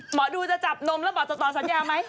หมอดูจะจับนมแล้วบอกจะต่อสัญญาไหม